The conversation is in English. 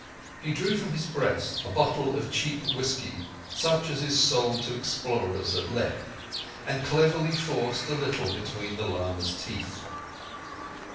He drew from his breast a bottle of cheap whisky—such as is sold to explorers at Leh—and cleverly forced a little between the lama's teeth.